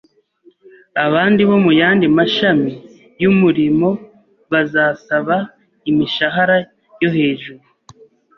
abandi bo mu yandi mashami y’umurimo bazasaba imishahara yo hejuru,